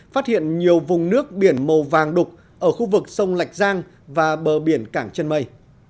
phát hiện nhiều vùng nước biển màu vàng đục ở khu vực sông lạch giang và bờ biển cảng chân mây